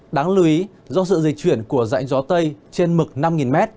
đáng lưu ý do sự dịch chuyển của dạnh gió tây trên mực năm m